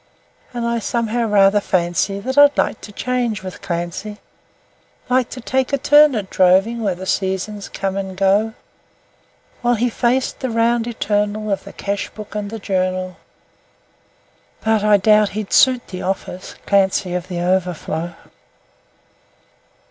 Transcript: And I somehow rather fancy that I'd like to change with Clancy, Like to take a turn at droving where the seasons come and go, While he faced the round eternal of the cash book and the journal But I doubt he'd suit the office, Clancy, of 'The Overflow'.